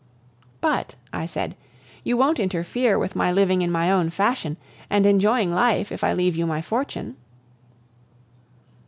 "But," I said, "you won't interfere with my living in my own fashion and enjoying life if I leave you my fortune?"